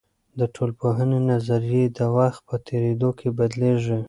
د ټولنپوهني نظريې د وخت په تیریدو کې بدلیږي.